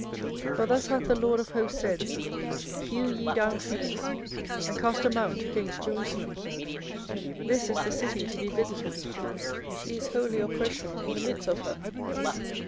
24:006:006 For thus hath the LORD of hosts said, Hew ye down trees, and cast a mount against Jerusalem: this is the city to be visited; she is wholly oppression in the midst of her.